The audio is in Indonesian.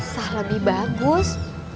sah lebih bagus